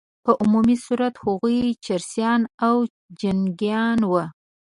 په عمومي صورت هغوی چرسیان او جنګیان وه.